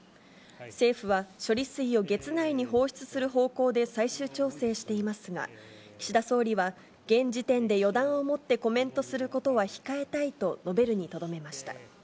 政府は処理水を月内に放出する方向で最終調整していますが、岸田総理は現時点で予断をもってコメントすることは控えたいと述べるにとどめました。